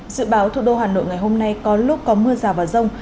dự báo thủ đô hà nội ngày hôm nay có lúc có mưa rào và rông